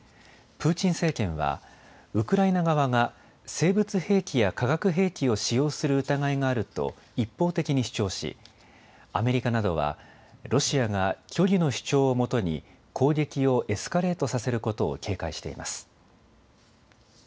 プーチン政権はウクライナ側が生物兵器や化学兵器を使用する疑いがあると一方的に主張しアメリカなどはロシアが虚偽の主張をもとに攻撃をエスカレートさせることを警戒しています。